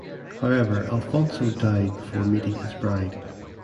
However Alfonso died before meeting his bride.